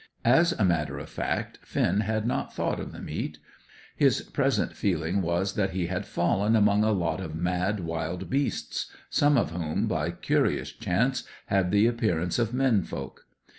As a matter of fact, Finn had not thought of the meat. His present feeling was that he had fallen among a lot of mad wild beasts, some of whom, by curious chance, had the appearance of men folk.